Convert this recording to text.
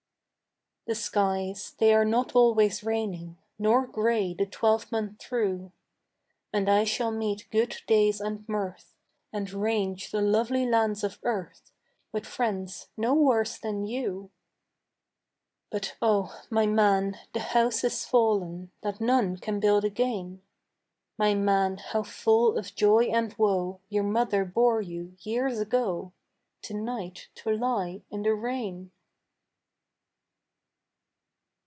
The skies, they are not always raining Nor grey the twelvemonth through; And I shall meet good days and mirth, And range the lovely lands of earth With friends no worse than you. But oh, my man, the house is fallen That none can build again; My man, how full of joy and woe Your mother bore you years ago To night to lie in the rain.